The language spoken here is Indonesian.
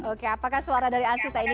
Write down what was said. oke apakah suara dari ansita ini